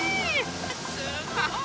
わすごい！